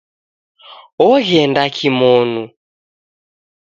Ogh'ende kimonu